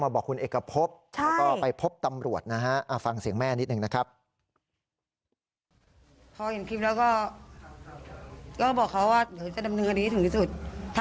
เพราะว่าตอนนี้น้องก็กลัวว่าเดี๋ยวรุ่นพี่จะมาขู่อีกแล้วนะคะ